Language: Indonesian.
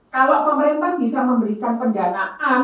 kalau pemerintah bisa memberikan pendanaan